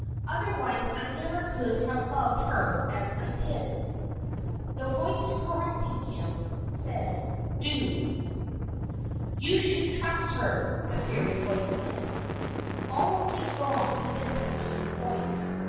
Otherwise I never could have loved her as I did." The voice, correcting him, said, "do." "You should trust her," the fairy voice said. All night long he listened to the voice.